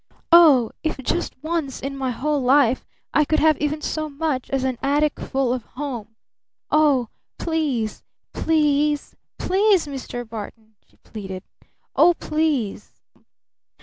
"Oh, if just once in my whole life I could have even so much as an atticful of home! Oh, please please please, Mr. Barton!" she pleaded. "Oh, please!"